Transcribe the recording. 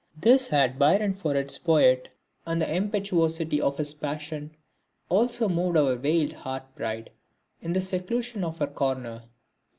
This had Byron for its poet. And the impetuosity of his passion also moved our veiled heart bride in the seclusion of her corner.